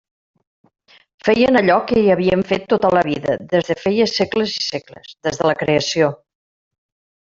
Feien allò que hi havien fet tota la vida des de feia segles i segles, des de la creació.